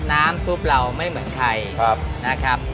น้ำซุปเราไม่เหมือนใคร